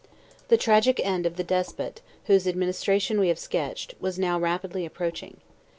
The tragic end of the despot, whose administration we have sketched, was now rapidly approaching.